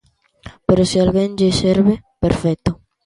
Pero se alguén lle serve, perfecto.